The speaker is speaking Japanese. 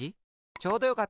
ちょうどよかった！